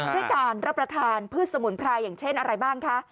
ด้วยการรับประทานพืชสมุนไพรอย่างเช่นอะไรบ้างคะ